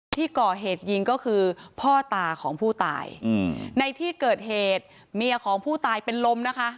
ที่ก่อเหตุยิงก็คือพ่อตาของผู้ตายในที่เกิดเหตุเมียของผู้ตายเป็นลมนะคะ